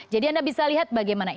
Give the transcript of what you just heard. jadi anda bisa lihat bagaimana indonesia